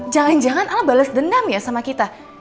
jangan jangan al bales dendam ya sama kita